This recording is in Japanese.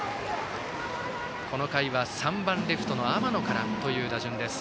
この回は３番レフトの天野からという打順。